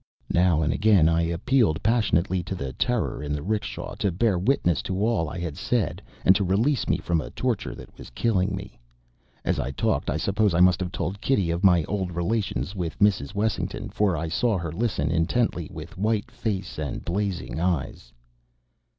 Now and again I appealed passionately to the Terror in the 'rickshaw to bear witness to all I had said, and to release me from a torture that was killing me. As I talked I suppose I must have told Kitty of my old relations with Mrs. Wessington, for I saw her listen intently with white face and blazing eyes.